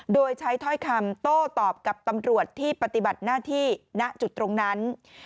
โดยใช้ถ้อยคำโต้ตอบกับตำรวจที่ปฏิบัติหน้าที่ณจุดตรงนั้น